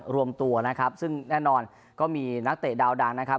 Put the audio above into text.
รวมตัวนะครับซึ่งแน่นอนก็มีนักเตะดาวดังนะครับ